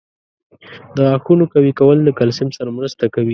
• د غاښونو قوي کول د کلسیم سره مرسته کوي.